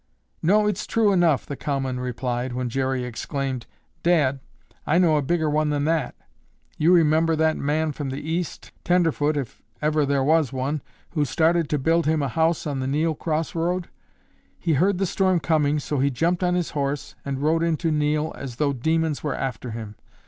"No, it's true enough," the cowman replied, when Jerry exclaimed: "Dad, I know a bigger one than that. You remember that man from the East, tenderfoot if ever there was one, who started to build him a house on the Neal crossroad? He heard the storm coming so he jumped on his horse and rode into Neal as though demons were after him.